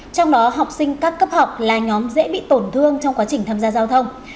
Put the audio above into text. trong đó học sinh các cấp học là nhóm dễ bị tổn thương trong quá trình tham gia giao thông